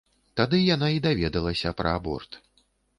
Тады яна і даведалася пра аборт.